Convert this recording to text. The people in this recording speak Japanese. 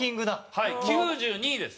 はい９２位です。